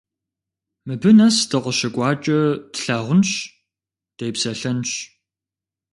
Мыбы нэс дыкъыщыкӀуакӀэ тлъагъунщ, депсэлъэнщ.